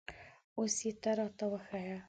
اوس یې ته را ته وښیه